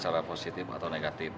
secara positif atau negatif